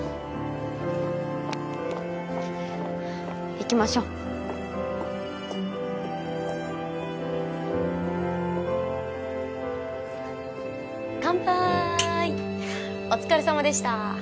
行きましょかんぱーいお疲れさまでしたー